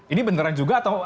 ini beneran juga atau